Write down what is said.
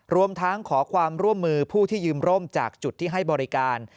รวมทั้งขอความร่วมมือผู้ที่ยืมร่มจากจุดที่ให้บริการ